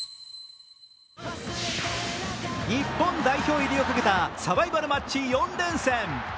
日本代表入りを懸けたサバイバルマッチ４連戦。